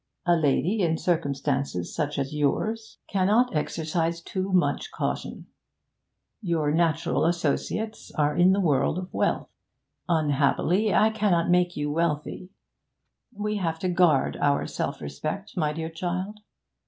A lady in circumstances such as yours cannot exercise too much caution. Your natural associates are in the world of wealth; unhappily, I cannot make you wealthy. We have to guard our self respect, my dear child.